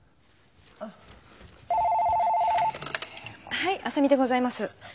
☎はい浅見でございます。